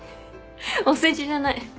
お世辞じゃない。